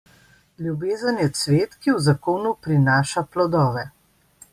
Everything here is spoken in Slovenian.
Ljubezen je cvet, ki v zakonu prinaša plodove.